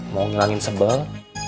mau ngilangin sebel